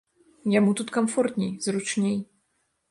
Яму тут камфортней, зручней.